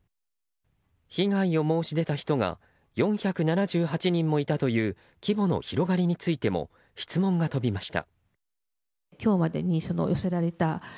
被害を申し出た人が４７８人もいたという規模の広がりについても質問が飛びました。